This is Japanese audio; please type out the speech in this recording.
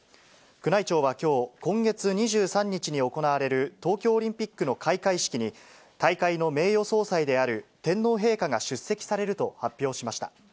宮内庁はきょう、今月２３日に行われる東京オリンピックの開会式に、大会の名誉総裁である天皇陛下が出席されると発表しました。